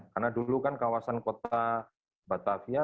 karena dulu kan kawasan kota batavia